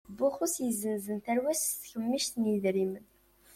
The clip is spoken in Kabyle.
Buxus yezzenzen tarwa-s s tkemmic n yidrimen.